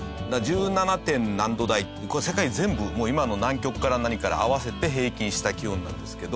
１７点何度台ってこれ世界全部今の南極から何から合わせて平均した気温なんですけど。